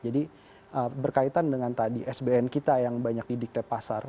jadi berkaitan dengan tadi sbn kita yang banyak didiktir pasar